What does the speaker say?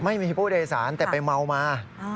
ไม่มีผู้โดยสารแต่ไปเมามา